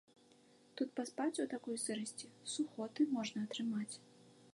Тут паспаць у такой сырасці, сухоты можна атрымаць.